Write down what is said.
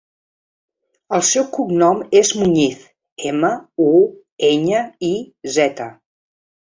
El seu cognom és Muñiz: ema, u, enya, i, zeta.